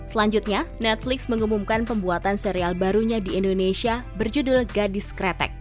selanjutnya netflix mengumumkan pembuatan serial barunya di indonesia berjudul gadis kretek